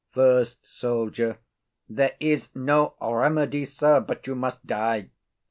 FIRST SOLDIER. There is no remedy, sir, but you must die.